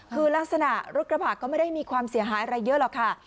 คือลักษณะรถกระบะก็ไม่ได้มีความเสียหายอะไรเยอะหรอกค่ะ